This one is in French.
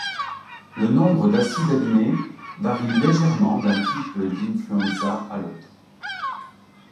Le nombre d’acides aminés varie légèrement d’un type d’Influenza à l’autre.